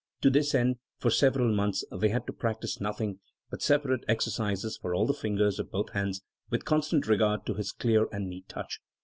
To this end, for several months they Jiad to practise nothing but separate exer cises for all the fingers of both hands, with constant regard to this clear and neat touch!